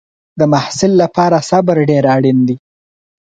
د محصل لپاره صبر ډېر اړین دی.